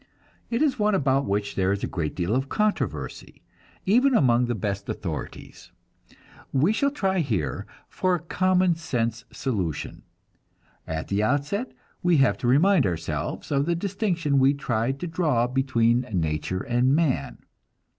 It is one about which there is a great deal of controversy, even among the best authorities. We shall try here for a common sense solution. At the outset we have to remind ourselves of the distinction we tried to draw between nature and man.